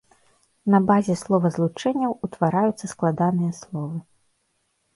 На базе словазлучэнняў утвараюцца складаныя словы.